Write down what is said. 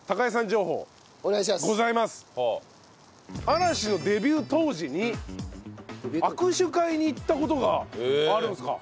嵐のデビュー当時に握手会に行った事があるんですか？